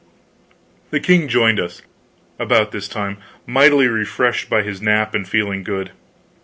The king joined us, about this time, mightily refreshed by his nap, and feeling good.